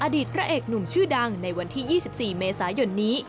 อดีตพระเอกหนุ่มชื่อดังในวันที่๒๔เมษายนนี้